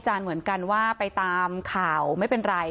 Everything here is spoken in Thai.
แต่ถ้ามาไปตามข่าวไม่เป็นไร